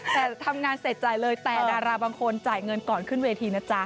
แต่ทำงานเสร็จจ่ายเลยแต่ดาราบางคนจ่ายเงินก่อนขึ้นเวทีนะจ๊ะ